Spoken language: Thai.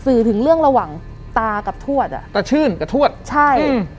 สื่อถึงเรื่องระหว่างตากับทวดอ่ะตาชื่นกับทวดใช่อืม